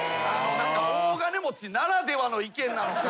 大金持ちならではの意見なのか。